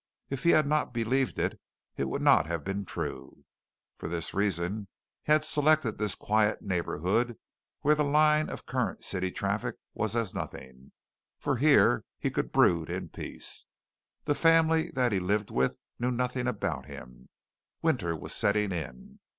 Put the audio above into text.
If he had not believed it, it would not have been true. For this reason he had selected this quiet neighborhood where the line of current city traffic was as nothing, for here he could brood in peace. The family that he lived with knew nothing about him. Winter was setting in.